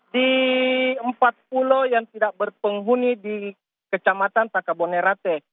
di empat pulau yang tidak berpenghuni di kecamatan takabonerate